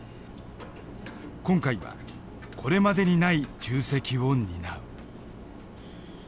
今回はこれまでにない重責を担う。